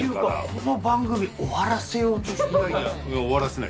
この番組終わらせようとしてる？